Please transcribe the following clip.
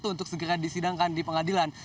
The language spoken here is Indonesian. untuk segera disidangkan di pengadilan